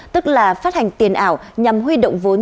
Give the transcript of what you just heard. tức là phát hành tiền ảo nhằm huy động vốn